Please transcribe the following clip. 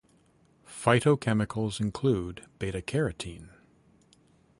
Phytochemicals include beta-carotene.